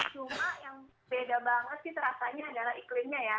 cuma yang beda banget sih terasanya adalah iklimnya ya